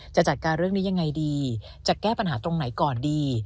จะจัดการเรื่องนี้ยังไงดีจะแก้ปัญหาตรงไหนก่อนดี